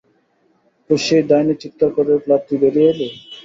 তো সেই ডাইনি চিৎকার করে উঠল, আর তুই বেরিয়ে এলি?